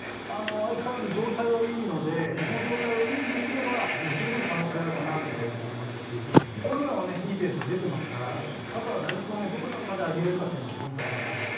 相変わらず状態はいいので、この状態を維持できれば、もう十分可能性あるかなというふうに思いますし、ホームランはいいペースで出てますから、あとは打率をどこまで上げれるかというのがポイントかなと思いま